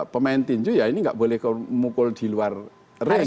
pemain tinju ya ini gak boleh kemukul di luar ring ya